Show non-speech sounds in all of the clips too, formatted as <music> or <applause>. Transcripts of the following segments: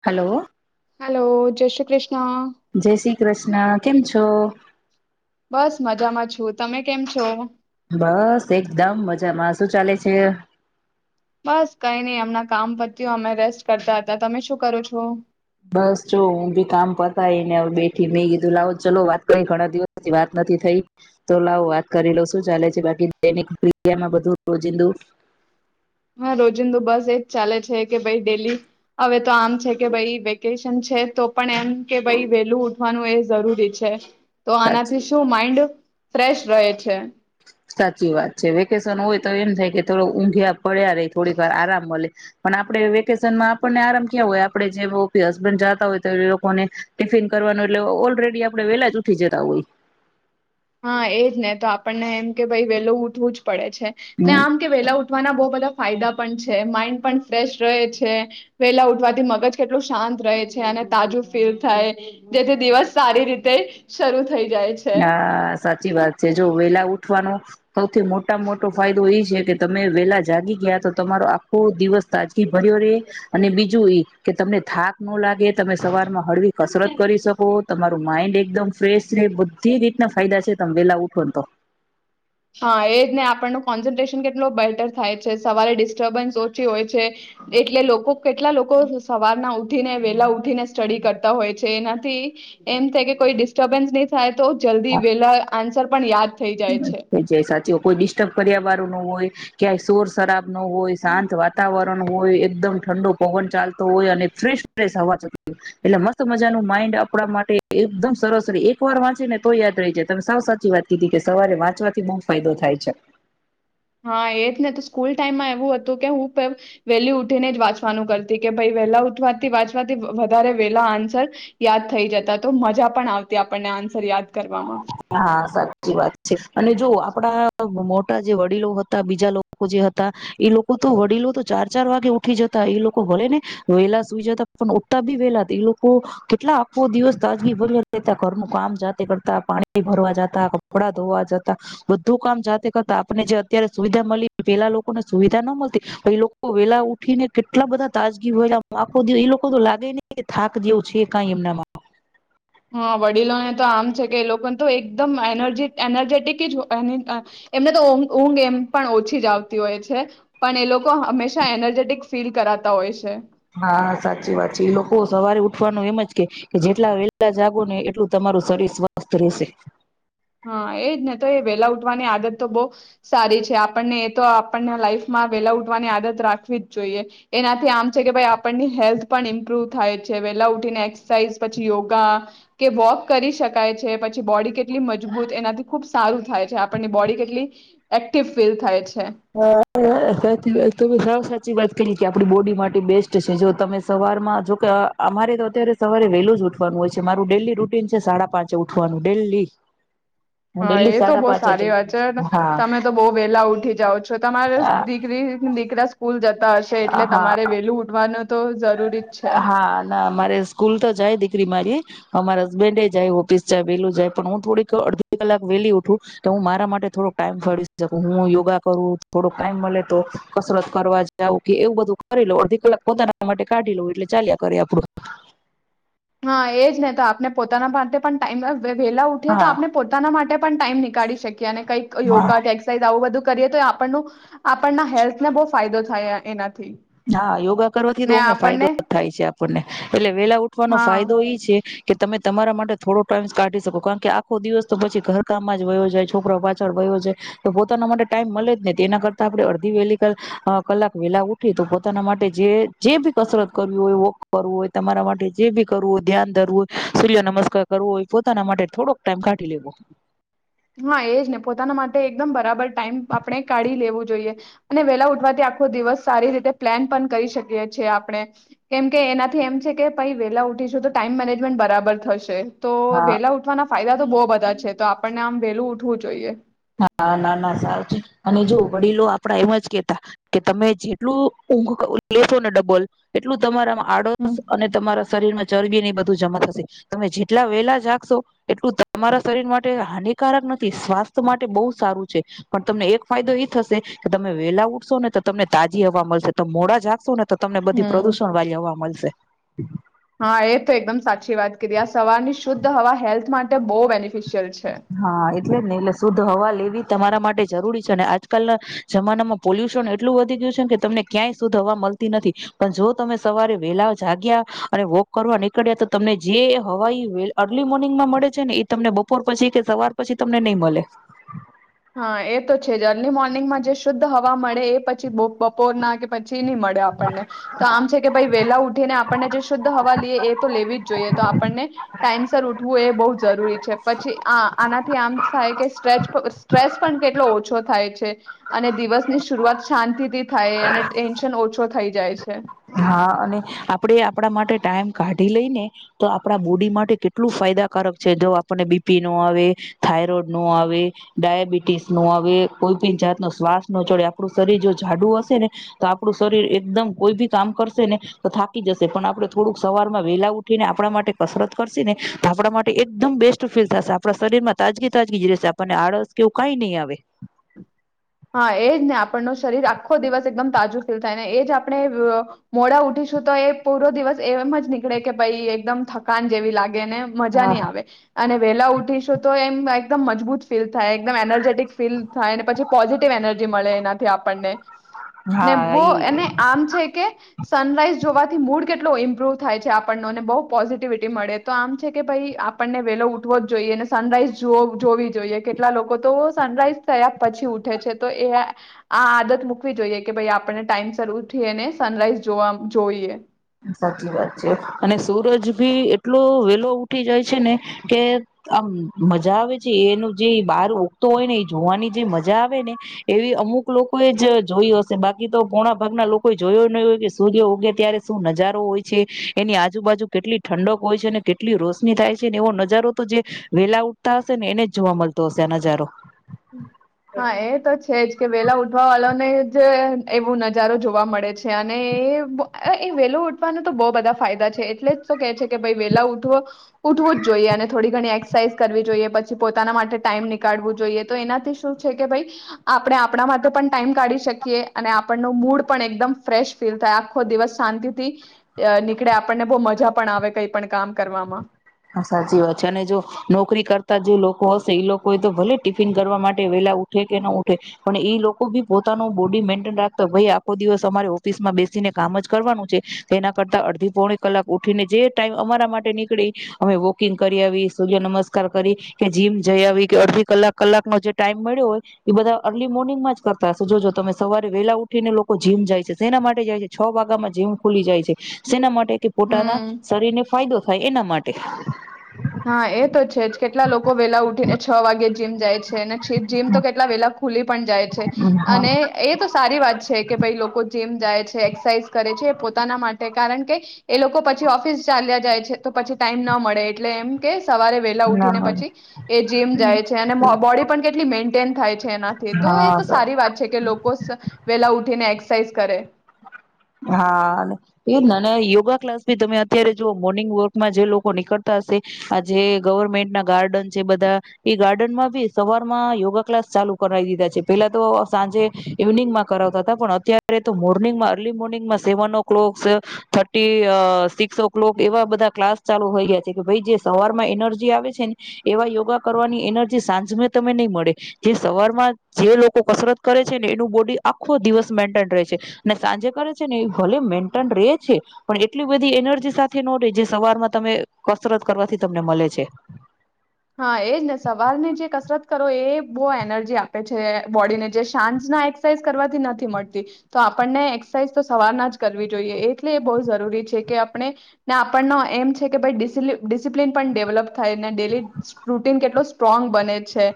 Hello hello જય શ્રી કૃષ્ણ જય શ્રી કૃષ્ણ કેમ છો? બસ મજામાં છું તમે કેમ કેમ છો? બસ એકદમ મજામાં શું ચાલે છે? બસ કઈ નહી અમના કામ પત્યું અમે રેસ્ટ કરતા હતા તમે શું કરો છો? બસ જો હું બી કામ પતાવીને બેઠી મે કીધું લાવો ચલો વાત કરી ઘણા દિવસથી વાત નથી થઈ તો લાવો વાત કરી લવ શું ચાલે છે બાકી દૈનિક ક્રિયામાં બધું રોજિંદુ? હા રોજિંદુ બસ એજ ચાલે છે કે ભાઈ ડેલી હવે તો આમ છે કે ભાઈ વેકેશન છે તો પણ એમ કે ભઈ વેલું ઉઠવાનું એ જરૂરી છે. તો સાચી આનાથી શું માઇન્ડ ફ્રેશ રહે છે. સાચી વાત છે વેકેશન હોય તો એમ થાય કે થોડ ઊંઘયા પડ્યા રહી થોડી વાર આરામ મળે પણ આપણે વેકેશનમાં આપણને આરામ ક્યાં હોય આપે જે હસબન્ડ જાતા હોય તો એ લોકોને ટિફિન કરવાનું એટલે ઓલરેડી આપણે વેલા જ ઉઠી જતા હોય. હા એજ ને તો આપણને એમ કે ભાઈ વેલો ઉઠવું જ પડે છે ને હોય આમ કે વેલા ઉ ઉઠવાના બહું બધા ફાયદા પણ છે, માઇન્ડ પણ ફ્રેશ રહે છે વેલા ઉઠવાથી મગજ કેટલું શાંત રહે છે અને તાજું ફીલ થાય જેથી દિવસ સારી રીતે શરૂ થ થઈ જાય છે. હા સાચી વાત છે જો વેલા ઉઠવાનો સૌથી મોટામાં મોટો ફાયદો એ છે કે તમે વેલા જાગી ગયા તો તમારો આખો દિવસ તાજ ભર્યો રે અને બીજું એ કે તમને થાક ન લાગે. તમે સવાર માં હળવી કસરત કરી શકો તમારા માઇન્ડ એકદમ ફેશ રે બ તે રીતના ફાયદા છે તમે વેલા ઉ બધો હા એ જ ને આપણનું કોન્સન્ટ્રેશન કેટલો બેહતર થાય છે સવારે ડિસ્ટર્બન્સ ઓછી હોય છે એટલે લોકો કેટલા લોકો સવારના ઉઠીને વેલા ઉઠીને સ્ટડી કરતા હોય છે એનાથી એમ થાય કે કોઈ ડિસ્ટર્બન્સ નહી થાય. તો જલ્દી વેલા આન્સર પણ યાદ થઈ જાય છે. <inaudible> સાચુ કોઈ ડિસ્ટર્બ કર્યા વાર ન હોય ક્યાંય સોર શરાબ નો હોય શાંત વાતાવરણ હોય એકદમ ઠંડો પવન ચાલતો હોય અને <unintelligible> હોય એટલે મસ્ત મજાનું માઇન્ડ આપણા માટે એકદમ સરસરી એક વાર વાંચે ને તો યાદ રહી જાય તમે સાવ સાચી વાત કીધી કે સવારે વાંચવાથી બહુ ફાયદો થાય છે. હા એ જ ને તો સ્કૂલ ટાઈમમાં એવું હતું કે હું વહેલી ઉઠીને જ વાંચવાનું કરતી કે ભાઈ વહેલા ઉઠવાથી વાંચવાથી વધારે વેલા આન્સર યાદ થઈ જતા તો મજા પણ આવતી આપણને આન્સર યાદ કરવામાં હા સાચી વાત છે. અને જો આપડા મોટા જે વડીલો હતા બીજા લોકો જે હતા એ લોકો તો વડીલો તો ચાર ચાર વાગે ઉઠી જતા એ લોકો ભલે ને વેલા સુઈ જતા પણ ઉઠતા બી વેલા એ લોકો કેટલા આખો દિવસ તાજગી ભર્યા રહેતા ઘરનું કામ જાતે કરતા. તા પાણી ભરવા જતા, કપડા ધોવા જતા બધું કામ જાતે કરતા આપને જે અત્યારે સુવિધા મળી પેલા લોકોને સુવિધા ન મળતી એ લોકો વેલા ઉઠી ને કેટલા બધા તાજગી હોયલા એ લોકો તો લાગે નહી કે થાક જેવું છે કાઇ એમનામાં. હા વડીલોને તો આમ છે કે એ લોકોને તો એકદમ એનર્જેટિક જ, એમને તો ઊંઘ એમ પણ ઓછી જ આવતી હોય છે, પણ એ લોકો હંમેશા એનર્જેટિક ફીલ કરાતા હોય છે. હા સાચી વાત છે એ લોકો સવારે ઉઠવાનું એમજ કે, કે જેટલા વેલા જાગો ને એટલું તમારું શરીર સ્વસ્થ રહેશે. હા એજ ને તો એ વેલા ઉઠવાની આદત તો બહ સારી છે, આપણને એ તો આપણને લાઈફમાં વેલા ઉઠવાની આદત રાખવી જ જોઈએ, એનાથી આમ છે કે ભાઈ આપણની હેલ્થ પણ ઇમ્પ્રુવ થાય છે વેલા ઉઠીને એક્સરસાઇઝ પછી યોગા, કે વોક કરી શકાય છે પછી બોડી કેટલી મજા મજબૂત એનાથી ખુબ સારું થાય છે આપણની બોડી કેટલી, એક્ટિવ ફીલ થાય છે. હા તું બ સા <unintelligible> ત કે આપ બોડી માટે બેસ્ટ છે જો તમે સવારમાં જોકે અમારે તો અત્યારે સવારે વહેલું જ ઉઠવાનું હોય છે મારું ડેલી રૂટીન છે સાડા પાંચ ઉઠવાનું ડેલી. હું હા ડેલી એ તો સાડા બહ પાંચે જ સારી વાત ઉઠું છે, છું હા તમે તો બઉુ વેલા ઉઠી જાાવ છો. તમારે દીકરી દીરા સ્કૂલ જ હશે એટલે હા તમારે વેલું ઉઠવાનું તો જરૂરી જ છે. હા ના મારે સ્કૂલ તો જાય દી મારી, અમારા હસબન્ડ જાય ઓફિસ જાય વેલું જાય પણ હું થોડીક અડધી કલાક વેલી ઉઠું, તો હું મારા માટે થોડક ટાઈમ ફરી શકું હું યોગા કરું થોડો ટાઈમ મળે તો, કસરત કરવા જાઉં કે એવું બધું કરી લો અડધી કલાક પોતાના એ માટે કાઢી લઉ એટલે ચાલ્યા કર આપડું. હા એજ નહ તો આપને પોતાના માટે પણ ટાઈમ વેલા ઉઠીએ તો હા આપણે પોતાના માટે પણ ટાઈમ નીાળી શકે ને કઈક હા યોગા કેસાઝ આવું બધું કરીએ તો આપણ આપના, હેલ્થને બહુ ફાયદો થાય એના હા યોગા કરવાથી તોમે ફાયદો જ થાય છે. ને એ વેલા ઉઠવાનો હા ફાયદો એ છે કે, તમે તમારા માટે થોડો ટાઈમ કાઢી શકો કારણ કે આખો દિવસ તો પછી ઘર કામમાં જ વયો જાય છોકરારો પાછળ વયો જાય, તો પોતાના માટે ટાઈમ મળે જ નહી તેના કરતા આપણે અડધી વહેલી, ક કલાક વેલા ઉ પોતાના માટે જે બી કસરત કરવી હોય વોક કરવું હોય તમારા માટે જે બી કરવું હોય ધ્યાન ધરવું, હોય સૂર્ય નમસ્કાર કરવો હોય પોતાના માટે થોડોક ટાઈમ કાઢી લેવો. હા એજ ને પોતાના માટે એકદમ બરાબર ટાઈમ આપણે કાઢી લેવું જોઈએ, અને વેલા ઉઠવાથી આખો દિવસ સારી રીતે પ્લાન પણ કરી શકીએ છીએ આપણે, કેમકે એનાથી એમ છે કે પ વેલા ઉઠીશું તો ટાઈમ મેનેજમેન્ટ બરાબર થશે. તો હા વેલા ઉઠવાના ફાયદા તો બહુ બધા છે તો આપણને આમ વેલું ઉઠવું જોઈએ. હા ના ના સારું છે, અને જો વડીલો આપડા એમ જ કેતા, કે તમે જેટલું ઊઘ લેશો ને ડબલ એટલું તમારા હમ આડોશ અને તમારા શરીરમાં ચરબી ને બધું જમા થશે, તમે જેટલા વેલા જાગશો એટલું તમારા શરીર માટે હાનિકારક નથી સ્વાથ માટે બહ સારું છે, પણ તમને એક ફાયદો એ થશે કે તમે વેલા ઉઠશો ને તો તમને તાજી હવા મળશે તોમે મોડા જાગશો ને તો તમને બધી હમ પ્રદુષણ વાળી હવા મળશે. હ <inaudible> હા એ તો એકદમ સાચી વાત કરી આ સવારની શુદ્ધ હવા હેલ્થ માટે બહુ બેનિફિશિયલ છે. હા એ એલે જ ને એટલે શુદ્ધ હવા લેવી તમારા માટે જરૂરી છે અને આજકાલના, જમાનામાં પોલ્યુશન એટલું વધી ગયું છે કે તમને ક્યાંય શુદ્ધ હવા મળતી નથી, પણ જો તમે સવારે વેલા જાગ્યા, અને વોક કરવા નીકળ્યા તો તમને જે હવા અર્લી મોર્નિંગમાં મળે છે ને એ તમને બપોર પછી કે સવાર પછી તમને નહી મળે. હા એ તો છે જ અર્લી મોર્નિંગમાં જશો તો હવા મળે એ પછી બા બપોરના કે પછી થી નહી મળે આપણને તો આમ છે કે ભાઈ વેલા ઉઠીને આપણને જે શુદ્ધ હવા લઈએ એ તો લેવી જ જોઈએ તો આપણને ટાઈમ સરર ઉઠવું એ બો જરૂરી છે પછી આ આનાથી આમ થાય કે સ્ટ્રેચ સ્ટ્રેસ પણ કેટલો ઓછો થાય છે અને દિવસની શરૂઆત શાંતિથી થાય અને ટેન્શન ઓછો થઈ જાય છે. હા અને આપડે આપણા માટે ટાઈમ કાઢી લઈ ને તો આપડા બોડી માટે કેટલું ફાયદાકારક છે જો આપને બીપી નો આવે થાયરોઈડ નો આવે ડયાબિટીસ નો આવે કોઈ પણી જાત ન શ્વાસ નો ચડે આપણું શરીર જો જાડું હશે ને તો આપણું શરીર એકદમ કોઈ બી કામ કરશે ને તો થાકી જશે પણ આપણે થોડુંક સવારમાં વેલા ઉઠી ને આપણા માટે કસરત કરશે ને તો આપણા માટે એકદમ બેસ્ટ ફીલ થશે આપણા શરીર માં તાજગી તાજગી રહેશે આપણને આળસ કેવું કઈ નહી આવે. હા એજ ને આપણ નો શરીર આખો દિવસ એકદમ તાજું ફીલ થાય ને એજ આપણે મોડા ઉઠીશું તો એ પૂરો દિવસ એમ જ નીકળે કે ભાઈ એકદમ થકાન જેવી લાગે ને મજા હા નહી આવે. અને વેલા ઉઠીશું તો એમ એકદમ મજબૂત ફીલ થાય એકદમ એનર્જેટિક ફીલ થાય ને પછી એનર્જી મળે એનાથી આપણને. ને હા બો ઈ એને આમ છે કે સનરાઈઝ જોવાથી મૂડ કેટલો ઇમ્પ્રુવ થાય છે આપણનો બહુ પોઝિટિવિટી મળે તો આમ છે કે ભાઈ આપણને વેલો ઉઠવો જ જોઈએ ને સનરાઈઝ જો જોવી જોઈએ કેટલા લોકો તો સનરાઈઝ થયા પછી ઉ ઉઠે છે તો એ આ આદત મુૂકવી જોઈએ કે ભાઈ આપને ટાઈમ શ ઉઠીને સનરાઈઝ જોવા જોઈએ. સાચી વાત છે અને સૂરજ ભી એટલો વેલો ઉઠી જાય છે ને કે આમ મજા આવે છે એનું જે બહાર ઉગતો હોય ને એ જોવાની જે મજા આવે ને એવી અમુક લોકો જ જોયું હશે બાકી તો પોણા ભાગના લોકો જોયો નહી હોય કે સૂર્ય ઉગે ત્યારે શું નજારો હોય છે એની આજુબાજુ કેટલી ઠંડક હોય છે ને કેટલી રોશની થાય છે ને એવો નજારો તો જે વેલા ઉઠતા હશે ને એને જ જોવા મળતો હશે આ નજારો. હા એ તો છે જ કે વેલા ઉઠવા વાળાને જ એવું નજારો જોવા મળે છે અને એ એ વેલો ઉઠવાના તો બો બધા ફાયદા છે એટલે જ તો કે છે કે ભ વેલા ઉઠવ ઉઠવું જ જોઈએ અને થોડી ઘણી એક્સરસાઇઝ કરવી જોઈએ પછી પોતાના માટે ટાઈમ નીકળવું જોઈએ. તો એનાથી શું છે કે ભાઈ આપણે આપણા માટે પણ ટાઈમ કાઢી શકીએ અને આપણનો મૂડ પણ એકદમ ફ્રેશ ફીલ થાય આખો દિવસ શાંતિ થી નીકળે આપણને બો મજા પણ આવે કઈ પણ કામ કરવામાં. હા સાચી વાત છે અને જો નોકરી કરતા જે લોકો હશે એ લોકો એ તો ભલે ટિફિન કરવા માટે વેલા ઉઠે કે ન ઉઠે પણ એઈ લોકો બી પોતાનો બોડી મેન્ટેન રાખતા ભાઈ આખો દિવસ અમારે ઓફિસમાં બેસીને કામ જ કરવાનું છે એના કરતા અડધી પોણી કલાક ઉઠીને જે ટાઈમ અમારા માટે નીકળે અમે વોકિંગ કરી આવી સૂર્ય નમસ્કાર કરી કે જીમ જઈ આવી કે અડધી કલાક કલાકનો જે ટાઈમ મળ્યો હોય એ બધા અર્લી મોર્નિંગમાં જ કરતા હશે જોજો તમે સવારે વેલા ઉઠીને લોકો જીમ જાય છે શના માટે જાય છે છ વાગ્યામાં જીમ ખુલી જાય છે શેના માટે. કે પોતાના હમ શરીરને ફાયદો થાય એના માટ તે હા એ તો છે જ કેટલા લોકો વેલા ઉઠીને છ વાગે જીમ જાય છે ને જી જીમ તો કેટલા વેલા ખુલી પણ જાય છે હા અને એ તો સારી વાત છે કે ભાઈ લોકો જેમ જાય છે એક્સરસાઇઝ કરે છે પોતાના માટે કારણ કે એ લોકો પછી ઓફિસ ચાલ્યા જાય છે તો પછી ટાઈમ ના મળે એ એટલે એમ કે સવારે વેલા ના ઉઠીને મળે પછી એ જીમ જાય છે અને બોડી પણ કેટલી મેન્ટેન થાય છે એનાથી તો એ હા તો સારી વાત છે કે લોકો વેલા ઉઠીને એક્સ સાઇઝ કરે. હા એ <unintelligible> યોગા ક્લાસ ભી તમે અત્યારે જો મોર્નિંગ વોકમાં જે લોકો નીકળતા હશે આ જે ગવર્મેન્ટના ગાર્ડન છે બધા એ ગાર્ડનમાં બી સવાર માં યોગા ક્લાસ ચાલુ કરાવી દીધા છે પેલા તો સાંજે ઇવનિંગમાં કરાવતા હતા પણ અત્યારે તો મોર્નિંગમાં અર્લી મોર્નિંગમાં સેવન ઓ ક્લોક થર્ટી આ સિક્સ ઓ ક્લોક એવા બધા ક્લાસ ચાલુ હોઈ ગયા છે કે ભાઈ જે સવારમાં એનર્જી આવે છે ને એવા યોગા કરવાની એનર્જી સાંજ તમે નહી મળે જે સવારમાં જે લોકો કસરત કરે છે ને એનું બોડી આખો દિવસ મેન્ટેન રહે છે ને સાંજે કરે છે ને એ ભલે મેન્ટન રે છે પણ એટલી બધી એનર્જી સાથે ન રે જે સવારમાં તમે કસરત કરવાથી તમને મળે છે. હા એજ ને સવારને જે કસરત કરો એ બો એનર્જી આપે છે બોડીને જે સાંજના એક્સરસાઇઝ કરવાથી નથી મળતી તો આપણને એક્સરસાઇઝ તો સવારના જ કરવી જોઈએ એટલે એ બો જરૂરી છે કે આપણે ને આપણનો એમ છે કે ડિસિ ડિસિપ્લિન પણ ડેવલપ થાય ને ડેલી <unintelligible> કેટલો સ્ટ્રોંગ બને છે.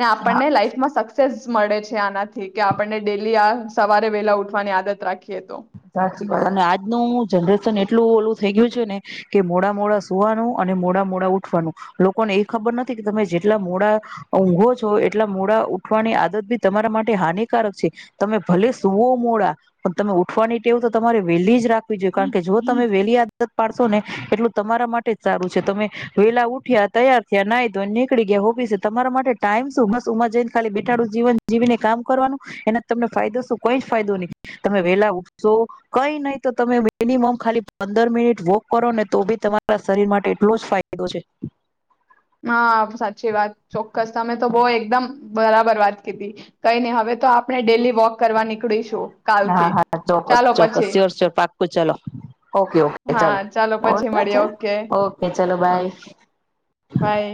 ને આપણને લાઈફમાં સક્સ સેસ મળે છે આનાથી. કે કે આપણને ડેલી આ સવારે વેલા ઉઠવાની આદત રાખીએ તો. સાચી વાત અને આજનું જનરેશન એટલું ઓલું થઈ ગયું છે ને કે મોડા મોડા સુવાનું અને મોડા મોડા ઉઠવાનું લોકોને એ ખબર નથી કે તમે જેટલા મોડા ઊંઘો છો એટલા મોડા ઉઠવાની આદત બી તમારા માટે હાનિકારક છે તમે ભલે સુૂવો મોડા પણ તમે ઉ ઠવાની ટેવ તો તમારે વહેલી જ રાખ વી જોઈ કારણ કે જો તમે વેલી આ આદત પાડશો ને એટલું તમારા માટે જ સારું છે. તમે વેલા ઉઠ્યા તૈયાર થયા નાઈ ધોઈ નેનીકળી ગયા ઓફિસે. તમારા માટે ટાઈમ શું બસ ઉમર જઈને ખાલી બેઠાડું જીવન જીવીને કામ કરવાનું, એનાથી તમને ફાયદો શું કઈ જ ફાયદો નહી, તમે વેલા ઊઠશો, કઈ નહી તો તમે મિનિમમ ખાલી પંદર મિનિટ વોક કરો ને તો બી તમારા શરીર માટે એટલો જ ફાયદો છે. હા સાચી વાત, ચોક્કસ. તમે તો બહું એકદમ બરાબર વાત કીધી. કઈ નહી હવે તો આપણે ડેલી વોક કરવા નીકળીશું. હા, કાલથી હા ચાલો ચોક્કસ-ચોક્કસ પછી સ્યોર-સ્યોર પાક્કું ચલો. ઓકે-ઓકે હા ચલો, ચાલો પછી મળીએ ઓકે ઓકે ચલો હા બાય. બાય